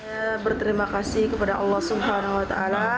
saya berterima kasih kepada allah swt